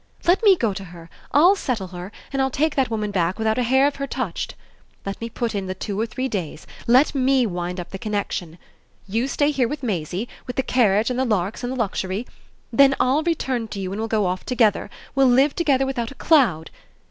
Let me go to her I'LL settle her and I'll take that woman back without a hair of her touched. Let me put in the two or three days let me wind up the connexion. You stay here with Maisie, with the carriage and the larks and the luxury; then I'll return to you and we'll go off together we'll live together without a cloud.